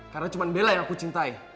karena cuma bella yang aku cintai